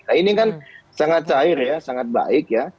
nah ini kan sangat cair ya sangat baik ya